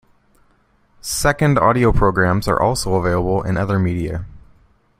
Second audio programs are also available in other media.